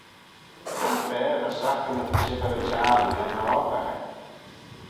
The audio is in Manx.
Cre'n fa va sacrament shibbyr y çhiarn er ny oardaghey?